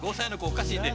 おかしいね。